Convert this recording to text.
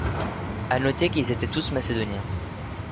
A noter qu'ils étaient tous macédoniens.